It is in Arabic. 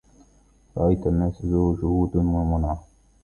رأيت الناس ذا جود ومنع